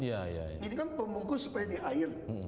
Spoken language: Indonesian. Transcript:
iya iya ini kan pemungkus supaya di air